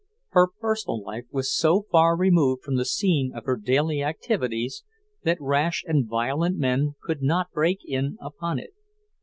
Her personal life was so far removed from the scene of her daily activities that rash and violent men could not break in upon it.